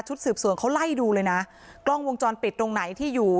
สืบสวนเขาไล่ดูเลยนะกล้องวงจรปิดตรงไหนที่อยู่